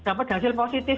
dapat hasil positif